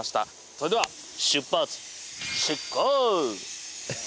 それでは、出発進行！